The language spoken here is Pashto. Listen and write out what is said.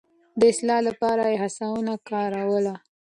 د اصلاح لپاره يې هڅونه کاروله.